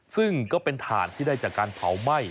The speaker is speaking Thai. ซึ่งก็เป็นถ่านที่ได้จากการเผาไหม้